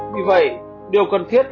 vì vậy điều cần thiết